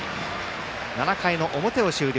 ７回の表を終了。